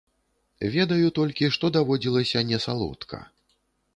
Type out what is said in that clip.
Ведаю толькі, што даводзілася не салодка.